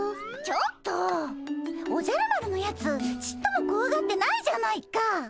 ちょっとおじゃる丸のやつちっともこわがってないじゃないか。